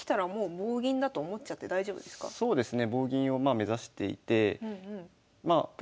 そうですね。